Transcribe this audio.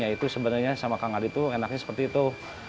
ya itu sebenarnya sama kang adi enaknya seperti itu